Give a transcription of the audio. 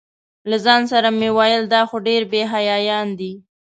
له ځان سره مې ویل دا خو ډېر بې حیایان دي.